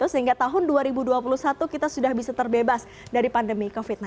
sehingga tahun dua ribu dua puluh satu kita sudah bisa terbebas dari pandemi covid sembilan belas